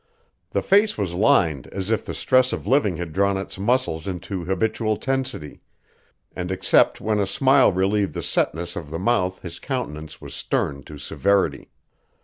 The face was lined as if the stress of living had drawn its muscles into habitual tensity, and except when a smile relieved the setness of the mouth his countenance was stern to severity.